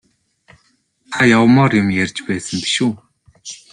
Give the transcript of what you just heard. Та явмаар юм ярьж байсан биш үү?